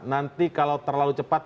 nanti kalau terlalu cepat